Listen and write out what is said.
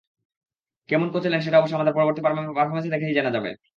কেমন কোচ এলেন সেটা অবশ্য আমাদের পরবর্তী পারফরম্যান্স দেখেই জানা যাবে।